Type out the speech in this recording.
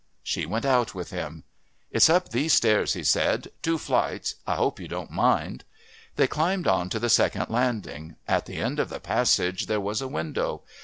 She went out with him. "It's up these stairs," he said. "Two flights. I hope you don't mind." They climbed on to the second landing. At the end of the passage there was a window.